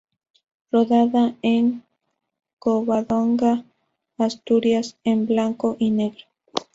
Rodada en Covadonga, Asturias, en blanco y negro.